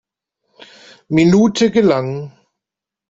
Minute gelang.